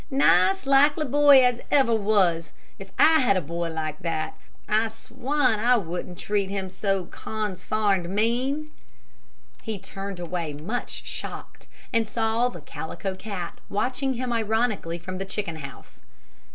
"Nice, likely boy as ever was. If I had a boy like that, I swan I wouldn't treat him so con sarned mean!" He turned away much shocked, and saw the Calico Cat watching him ironically from the chicken house.